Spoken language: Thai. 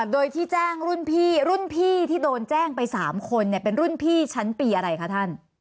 โดยที่แจ้งรุ่นพี่รุ่นพี่ที่โดนแจ้งไป๓คนเป็นรุ่นพี่ชั้นปีอะไรคะท่าน